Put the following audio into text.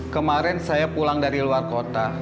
kemarin saya pulang dari luar kota